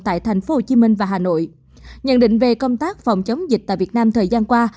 tại thành phố hồ chí minh và hà nội nhận định về công tác phòng chống dịch tại việt nam thời gian qua